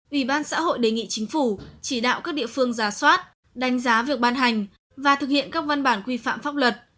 ủy ban xã hội đề nghị chính phủ chỉ đạo các địa phương giả soát đánh giá việc ban hành và thực hiện các văn bản quy phạm pháp luật